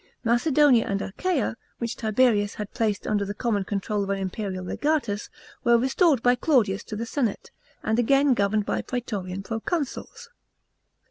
Macedonia and Achaia, which Tiberius had placed under the common control of an imperial legatus, were restored by Claudius to the senate, and again governed by praetorian proconsuls.